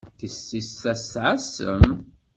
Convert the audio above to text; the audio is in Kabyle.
Tissist-a tesɛa ssem?